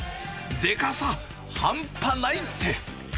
でかさ半端ないって。